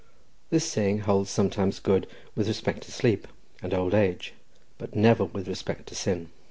This saying holds sometimes good with respect to sleep and old age, but never with respect to sin.